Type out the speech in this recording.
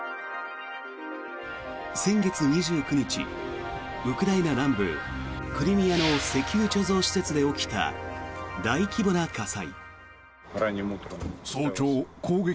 先月２９日、ウクライナ南部クリミアの石油貯蔵施設で起きた大規模な火災。